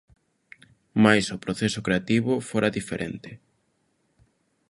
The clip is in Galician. Mais o proceso creativo fora diferente.